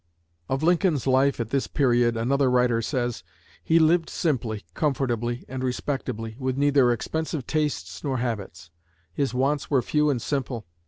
Of Lincoln's life at this period, another writer says: "He lived simply, comfortably, and respectably, with neither expensive tastes nor habits. His wants were few and simple.